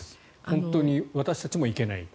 本当に私たちもいけない。